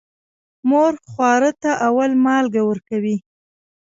مور خواره ته اول مالګه ورکوي.